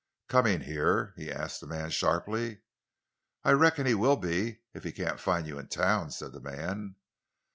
"Coming here?" he asked the man sharply. "I reckon he will be—if he can't find you in town," said the man.